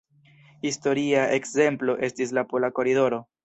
Historia ekzemplo estis la Pola koridoro,